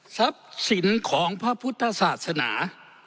ทรัพย์สินของพระพุทธศาสนา